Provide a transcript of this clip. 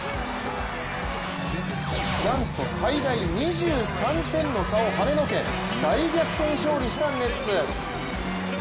なんと最大２３点の差をはねのけ大逆転勝利したネッツ。